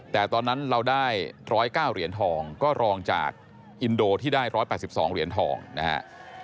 แต่ตอนนั้นเราได้๑๐๙เหรียญทองก็รองจากอินโดที่ได้๑๘๒เหรียญทองนะฮะ